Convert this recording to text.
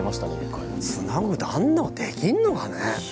あんなのできんのかね？